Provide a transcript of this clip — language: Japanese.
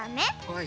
はい。